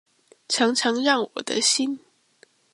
常常讓我的心